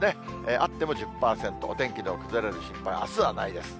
あっても１０％、お天気の崩れる心配、あすはないです。